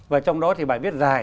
và trong đó thì bài viết dài